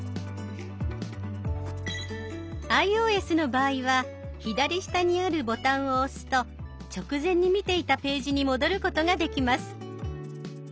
ｉＯＳの場合は左下にあるボタンを押すと直前に見ていたページに戻ることができます。